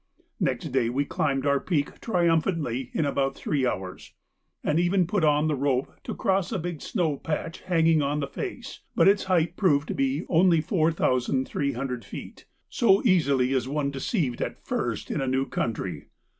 Next day we climbed our peak triumphantly in about three hours, and even put on the rope to cross a big snow patch hanging on the face, but its height proved to be only 4,300 feet, so easily is one deceived at first in a new country.